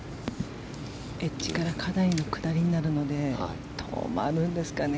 エッジからかなりの下りになるので止まるんですかね？